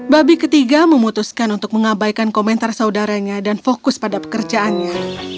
babi ketiga memutuskan untuk mengabaikan komentar saudaranya dan fokus pada pekerjaannya